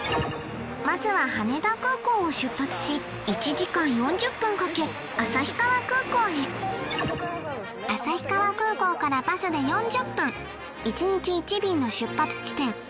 まずは羽田空港を出発し１時間４０分かけ旭川空港へ旭川空港からバスで４０分１日１便の出発地点